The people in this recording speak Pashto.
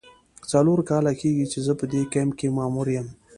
څلور کاله کیږي چې زه په دې کمپ کې ماموره یم.